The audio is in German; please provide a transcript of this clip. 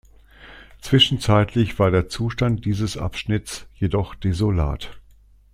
Zwischenzeitlich war der Zustand dieses Abschnittes jedoch desolat.